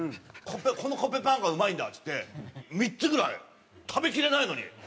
「このコッペパンがうまいんだ」っつって３つぐらい食べきれないのに。